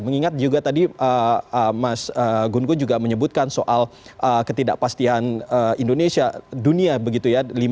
mengingat juga tadi mas gun gun juga menyebutkan soal ketidakpastian indonesia dunia begitu ya